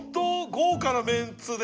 豪華なメンツで。